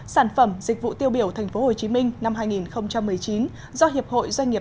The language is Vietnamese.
sản phẩm dịch vụ tiêu biểu thành phố hồ chí minh năm hai nghìn một mươi chín do hiệp hội doanh nghiệp